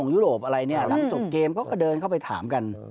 ยุโรปอะไรเนี่ยหลังจบเกมเขาก็เดินเข้าไปถามกัน